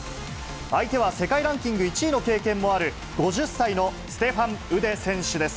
相手は世界ランキング１位の経験もある、５０歳のステファン・ウデ選手です。